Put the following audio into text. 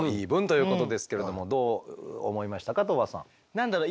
何だろう